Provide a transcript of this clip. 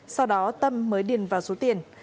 sau đó tâm mới điền vào số tiền